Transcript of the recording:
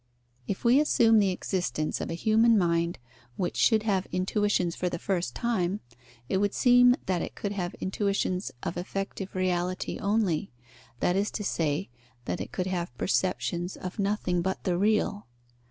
If we assume the existence of a human mind which should have intuitions for the first time, it would seem that it could have intuitions of effective reality only, that is to say, that it could have perceptions of nothing but the real.